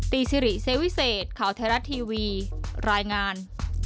ซิริเซวิเศษข่าวไทยรัฐทีวีรายงาน